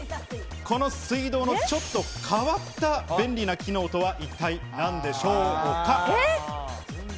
この水道のちょっと変わった便利な機能とは一体なんでしょうか？